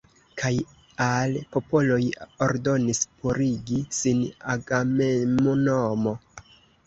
Kaj al popoloj ordonis purigi sin Agamemnono.